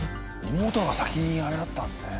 妹の方が先にあれだったんですね。